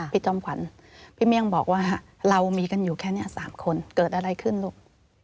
จอมขวัญพี่เมี่ยงบอกว่าเรามีกันอยู่แค่นี้๓คนเกิดอะไรขึ้นลูก